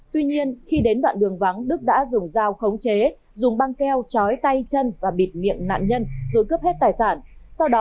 tuy nhiên khi đến đoạn đường vắng đức đã dùng dao khống chế dùng băng keo chói tay chân và bịt miệng nạn nhân rồi cướp hết tài sản